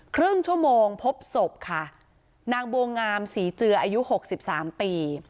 ครึ่งชั่วโมงพบศพค่ะนางบวงงามศรีเจืออายุ๖๓ปี